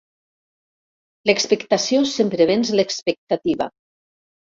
L'expectació sempre venç l'expectativa.